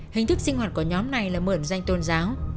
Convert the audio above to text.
hình thức sinh hoạt của nhóm này là mượn danh tôn giáo